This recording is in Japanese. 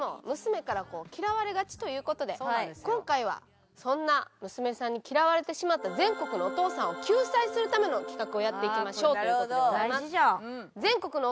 今回はそんな娘さんに嫌われてしまった全国のお父さんを救済するための企画をやっていきましょうという事でございます。